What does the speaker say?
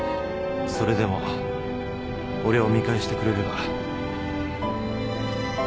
それでも俺を見返してくれれば。